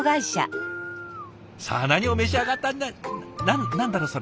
さあ何を召し上がった何だろう？